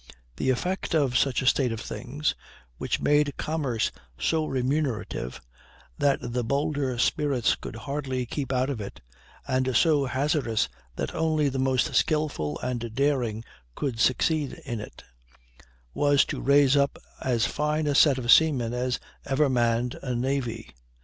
The effect of such a state of things, which made commerce so remunerative that the bolder spirits could hardly keep out of it, and so hazardous that only the most skilful and daring could succeed in it, was to raise up as fine a set of seamen as ever manned a navy.